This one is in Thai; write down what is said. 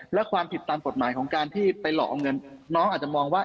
และความผิดตามกฎหมายของการที่ไปหลอกเอาเงินน้องอาจจะมองว่า